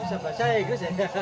bisa bahasa inggris ya